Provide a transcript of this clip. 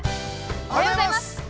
◆おはようございます。